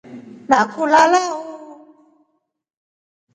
Nakuue lala uu.